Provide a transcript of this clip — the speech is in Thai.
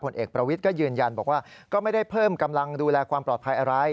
เอกประวิทย์ก็ยืนยันบอกว่าก็ไม่ได้เพิ่มกำลังดูแลความปลอดภัยอะไร